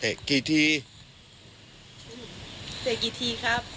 เตะกี่ทีครับ